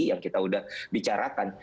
yang kita udah bicarakan